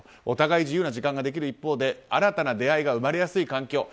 お互い自由な時間ができる一方で新たな出会いが生まれやすい環境。